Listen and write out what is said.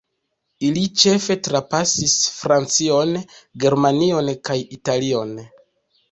Ili ĉefe trapasis Francion, Germanion kaj Italion.